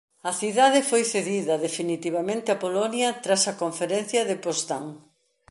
A cidade foi cedida definitivamente a Polonia tras a Conferencia de Potsdam.